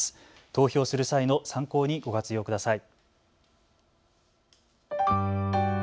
投票する際の参考にご活用ください。